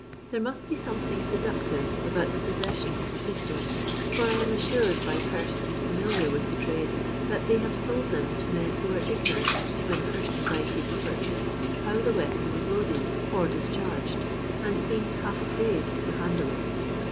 There must be something seductive about the possession of a pistol, for I am assured by persons familiar with the trade, that they have sold them to men who were ignorant, when first invited to purchase, how the weapon was loaded or dis charged, and seemed half afraid to handle it.